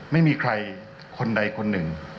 ไม่มีใครคนใดคนหนึ่ง